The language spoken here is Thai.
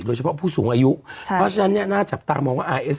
เฉพาะผู้สูงอายุใช่เพราะฉะนั้นเนี่ยน่าจับตามองว่าอาร์เอส